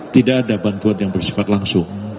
tidak ada bantuan yang bersifat langsung